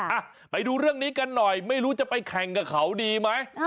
อ่ะไปดูเรื่องนี้กันหน่อยไม่รู้จะไปแข่งกับเขาดีไหม